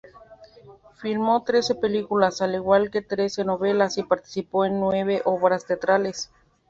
Filmó trece películas, al igual que trece novelas y participó en nueve obras teatrales.